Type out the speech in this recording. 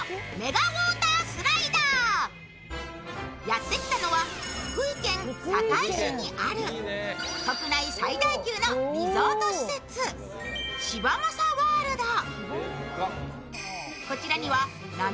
やってきたのは福井県坂井市にある、国内最大級のリゾート施設、芝政ワールド。